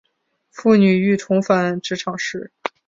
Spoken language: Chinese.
妇女欲重返职场时